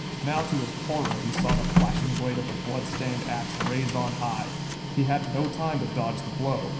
Now to his horror he saw the flashing blade of the bloodstained ax raised on high. He had no time to dodge the blow.